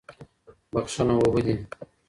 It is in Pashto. بښنه اوبه دي.